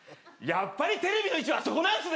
やっぱりテレビの位置はそこなんっすね